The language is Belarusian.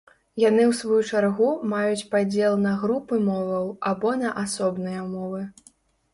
Яны ў сваю чаргу маюць падзел на групы моваў або на асобныя мовы.